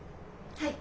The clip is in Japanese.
はい。